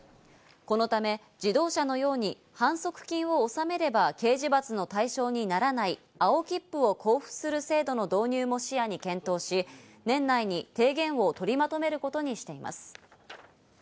このため、自動車のように反則金を納めれば刑事罰の対象にならない青切符を交付する制度の導入も視野に検討し、年内に提言を取りまとめることにしています。